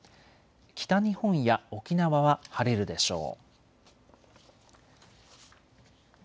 北日本や沖縄は晴れるでしょう。